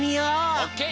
オッケー！